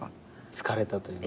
疲れたというか。